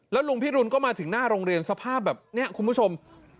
ลุงพิรุณก็มาถึงหน้าโรงเรียนสภาพแบบนี้คุณผู้ชม